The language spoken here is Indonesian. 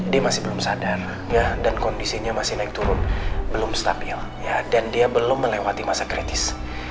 dia masih belum sadar dan kondisinya masih naik turun belum stabil dan dia belum melewati masa kritis